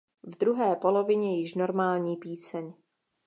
V druhé polovině již normální píseň.